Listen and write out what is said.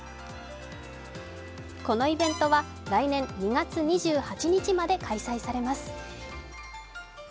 このイベントは来年２月２８日まで開催されます。